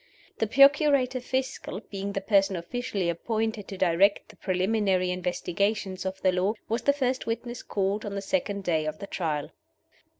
The Procurator Fiscal being the person officially appointed to direct the preliminary investigations of the law was the first witness called on the second day of the Trial.